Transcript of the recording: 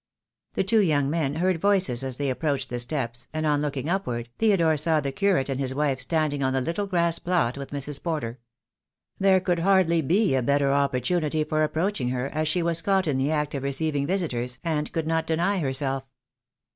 The two young men heard voices as they approached the steps, and on looking upward, Theodore saw the curate and his wife standing on the little grass plot with Mrs. Porter. There could hardly be a better opportunity for approaching her, as she was caught in the act of re ceiving visitors, and could not deny herself.